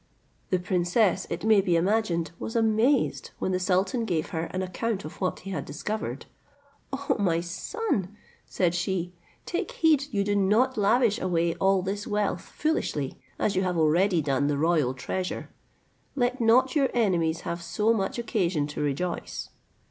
The princess, it may be imagined, was amazed, when the sultan gave her an account of what he had discovered. "O! my son," said she, "take heed you do not lavish away all this wealth foolishly, as you have already done the royal treasure. Let not your enemies have so much occasion to rejoice."